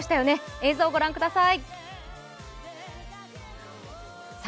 映像ご覧ください。